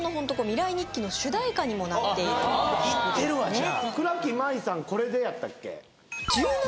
未来日記の主題歌にもなっているといってるわじゃあ倉木麻衣さんこれでやったっけ？